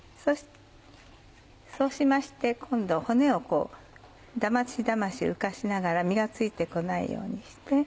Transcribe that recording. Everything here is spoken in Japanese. そうしまして今度骨をこうだましだまし浮かしながら身が付いて来ないようにして。